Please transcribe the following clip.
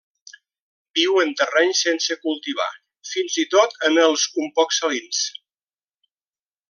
Viu en terrenys sense cultivar, fins i tot en els un poc salins.